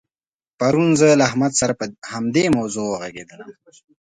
پرون زه له احمد سره په همدې موضوع وغږېدلم.